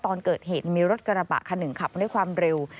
ตอนเกิดเหตุมีรถกระบะคันหนึ่งขับมาด้วยความเร็ว